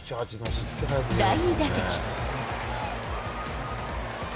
第２打席。